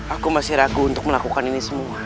aku masih ragu untuk melakukan ini semua